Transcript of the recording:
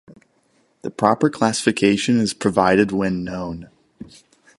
The proper classification is provided when known.